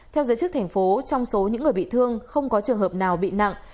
theo giới chức thành phố trong số những người bị thương không có trường hợp nào bị nặng